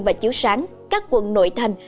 và chiếu sáng các quận nội thành